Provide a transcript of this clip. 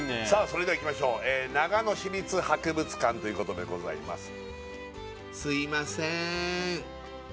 それではいきましょう長野市立博物館ということでございます